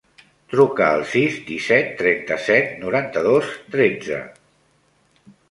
Truca al sis, disset, trenta-set, noranta-dos, tretze.